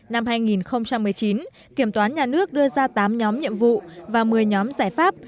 năm hai nghìn một mươi chín kiểm toán nhà nước đưa ra tám nhóm nhiệm vụ và một mươi nhóm giải pháp